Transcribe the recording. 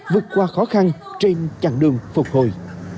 vượt qua khó khăn trên chặng đường phục hồi